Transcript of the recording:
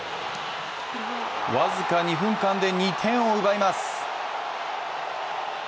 僅か２分間で２点を奪います。